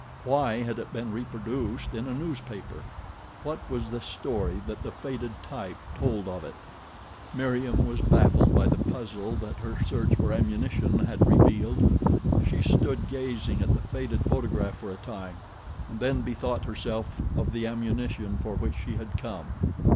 Why had it been reproduced in a newspaper? What was the story that the faded type told of it? Meriem was baffled by the puzzle that her search for ammunition had revealed. She stood gazing at the faded photograph for a time and then bethought herself of the ammunition for which she had come.